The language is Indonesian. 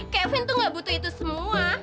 kevin tuh gak butuh itu semua